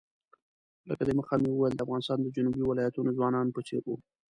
لکه د مخه مې وویل د افغانستان د جنوبي ولایتونو ځوانانو په څېر وو.